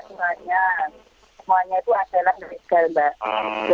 semuanya itu adalah lebih skal mbak